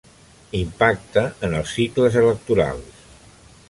Impacte en els cicles electorals.